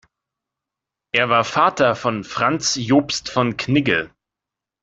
Er war Vater von Franz Jobst von Knigge.